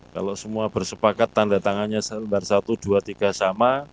kalau semua bersepakat tanda tangannya lebar satu dua tiga sama